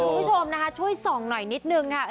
คุณผู้ชมนะคะช่วยส่องหน่อยนิดนึงค่ะ